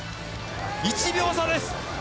１秒差です。